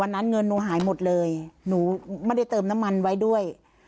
เงินหนูหายหมดเลยหนูไม่ได้เติมน้ำมันไว้ด้วย